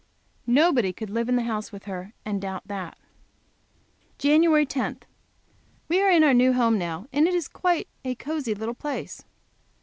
Nobody could live in the house with her, and doubt that. Jan. 10. We are in our new home now, and it is quite a cozy little place.